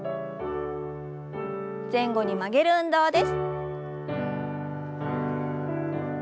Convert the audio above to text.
前後に曲げる運動です。